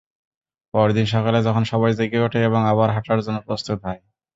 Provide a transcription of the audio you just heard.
পরদিন সকালে, যখন সবাই জেগে ওঠে এবং আবার হাঁটার জন্য প্রস্তুত হয়।